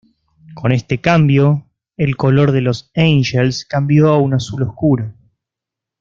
Con este cambio, el color de los Angels, cambio a un azul oscuro.